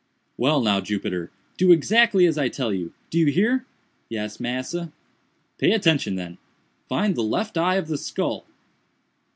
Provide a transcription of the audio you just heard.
"Well now, Jupiter, do exactly as I tell you—do you hear?" "Yes, massa." "Pay attention, then—find the left eye of the skull."